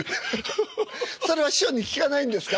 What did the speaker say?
それは師匠に聞かないんですか？